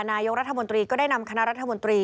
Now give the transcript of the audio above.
นายกรัฐมนตรีก็ได้นำคณะรัฐมนตรี